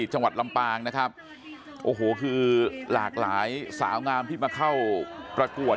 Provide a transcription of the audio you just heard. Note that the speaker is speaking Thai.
จังหวัดลำปางนะครับโอ้โหคือหลากหลายสาวงามที่มาเข้าประกวด